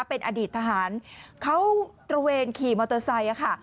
เป็นอดีตทหารเขาตระเวนขี่มอเตอร์ไซค์ค่ะ